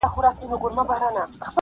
په ښکاره یې اخیستله رشوتونه-